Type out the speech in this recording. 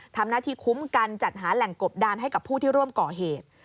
ทำหน้าที่คุ้มกันจัดหาแหล่งกบดานให้กับผู้ที่ร่วมก่อเหตุ